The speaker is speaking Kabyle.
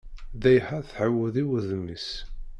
Ddayxa tɛawed i wudem-is.